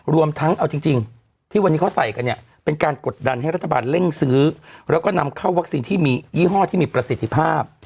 รวมทั้งเอาจริงที่วันนี้เขาใส่กันเนี่ยเป็นการกดดันให้รัฐบาลเร่งซื้อแล้วก็นำเข้าวัคซีนที่มียี่ห้อที่มีประสิทธิภาพ